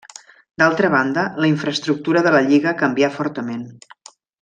D'altra banda, la infraestructura de la lliga canvià fortament.